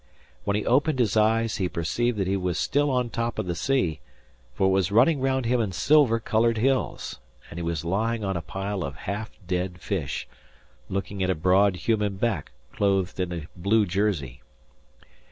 When he opened his eyes, he perceived that he was still on the top of the sea, for it was running round him in silver coloured hills, and he was lying on a pile of half dead fish, looking at a broad human back clothed in a blue jersey.